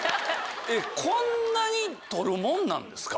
こんなに撮るもんなんですか？